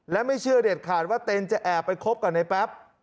และไม่เชื่อเด็ดขาดว่าเต็นจะแอบไปคบกับในแป๊บ